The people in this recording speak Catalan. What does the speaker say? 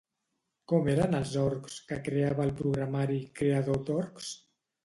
Com eren els orcs que creava el programari Creador d'Orcs?